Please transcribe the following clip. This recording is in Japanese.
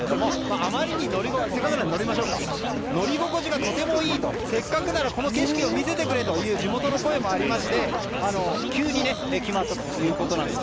あまりに乗り心地がとてもいいとせっかくならこの景色を見せてくれという地元の声もありまして急に決まったということです。